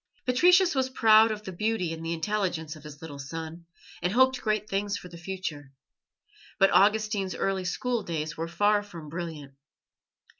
Patricius was proud of the beauty and the intelligence of his little son, and hoped great things for the future; but Augustine's early school days were far from brilliant.